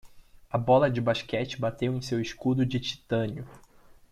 A bola de basquete bateu em seu escudo de titânio.